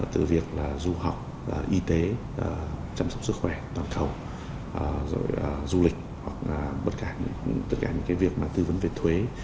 từ việc là du học y tế chăm sóc sức khỏe toàn cầu rồi du lịch hoặc tất cả những cái việc tư vấn về thuế